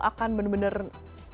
mungkin bener bener bisa melihat sejauh